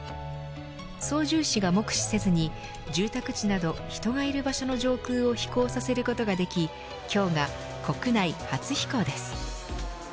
操縦士が目視せずに住宅地など、人がいる場所の上空を飛行させることができ今日が国内初飛行です。